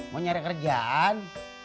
mau nyari kerjaan